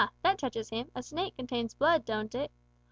that touches him: a snake contains blood, don't it?)